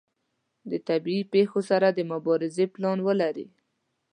د طبیعي پیښو سره د مبارزې پلان ولري.